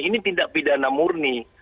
ini tidak pidana murni